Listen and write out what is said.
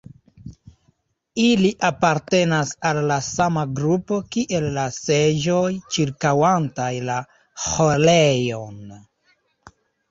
Ili apartenas al la sama grupo kiel la seĝoj ĉirkaŭantaj la ĥorejon.